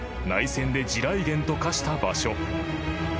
［内戦で地雷原と化した場所］